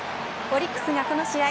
オリックスがこの試合